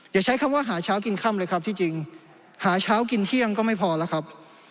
อย่าใช้คำว่าหาเช้ากินค่ำเลยครับที่จริงหาเช้ากินเที่ยงก็ไม่พอแล้วครับ